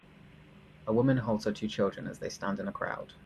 a woman holds her two children as they stand in a crowd.